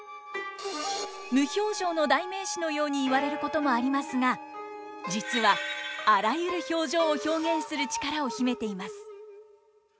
無表情の代名詞のように言われることもありますが実はあらゆる表情を表現する力を秘めています。